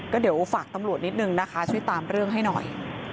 ก็เดี๋ยวฝากตำรวจนิดนึงนะคะช่วยตามเรื่องให้หน่อย